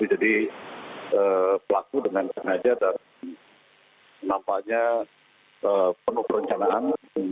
jadi pelaku dengan sengaja dan nampaknya penuh perencanaan